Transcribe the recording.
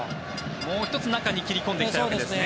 もう１つ、中に切り込んでいきたいわけですね。